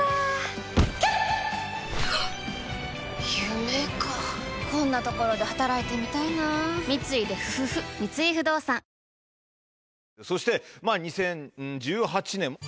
夢かこんなところで働いてみたいな三井不動産そして２０１８年。